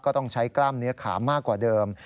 ต้องใช้กล้ามเนื้อขามากกว่าเดิม